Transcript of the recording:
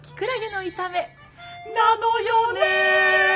なのよね